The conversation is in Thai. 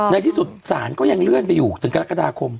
ในที่สุดศาลก็ยังเลื่อนไปอยู่ถึงกรกฎาคม